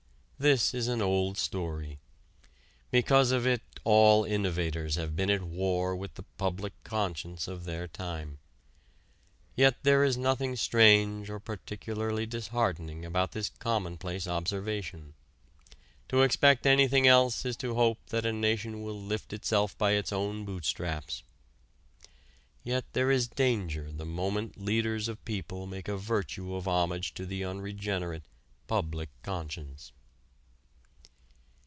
This is an old story. Because of it all innovators have been at war with the public conscience of their time. Yet there is nothing strange or particularly disheartening about this commonplace observation: to expect anything else is to hope that a nation will lift itself by its own bootstraps. Yet there is danger the moment leaders of the people make a virtue of homage to the unregenerate, public conscience.